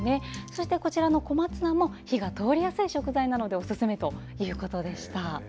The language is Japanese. そして小松菜も火が通りやすい食材なのでおすすめということでした。